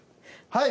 はい！